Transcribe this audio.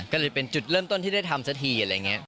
ก็เลยเป็นจุดเริ่มต้นที่ได้ทำเสร็จที